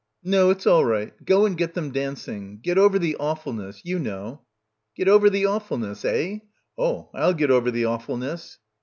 "No. It's all right. Go and get them dancing. Get over the awful ness — you know." "Get over the awfulness, eh? Oh, I'll get over the awfulness."